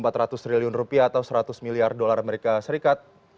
empat ratus triliun rupiah atau seratus miliar dolar amerika serikat